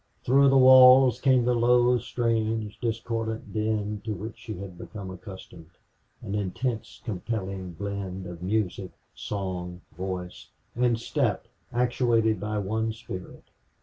Through the walls came the low, strange, discordant din to which she had become accustomed an intense, compelling blend of music, song, voice, and step actuated by one spirit.